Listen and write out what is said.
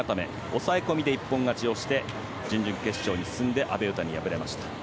抑え込みで一本勝ちをして準々決勝に進んで阿部詩に敗れました。